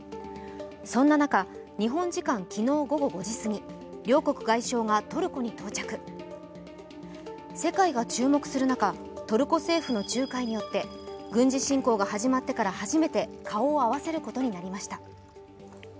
そんな中、日本時間昨日午後５時すぎ両国外相がトルコに到着世界が注目する中、トルコ政府の仲介によって軍事侵攻が始まってから初めて顔を合わせることになりました。